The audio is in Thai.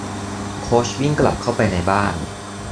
โค้ชวิ่งกลับเข้าไปในบ้าน